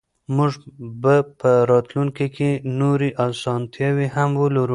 موږ به په راتلونکي کې نورې اسانتیاوې هم ولرو.